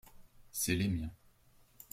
C’est les miens.